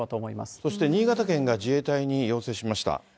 そして新潟県が自衛隊に要請しました。